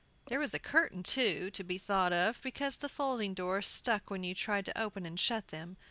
There was a curtain, too, to be thought of, because the folding doors stuck when you tried to open and shut them.